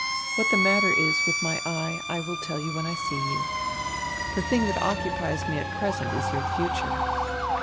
What die matter is with my eye I will tell you when I see you. The tiling diat occupies me at present is your future.